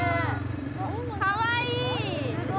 かわいい。